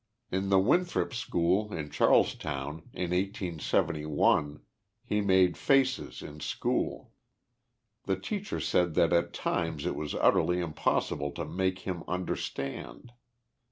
In the Winthrop school, in Charlestown, in 1871, he made faces in school. The teacher said that at times it was utterly im possible to make him understand.